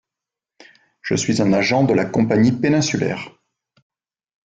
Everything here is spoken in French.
Je suis un agent de la Compagnie péninsulaire.